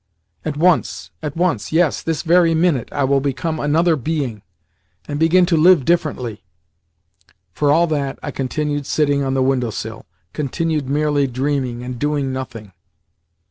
At once, at once yes, this very minute I will become another being, and begin to live differently!" For all that, I continued sitting on the window sill, continued merely dreaming, and doing nothing.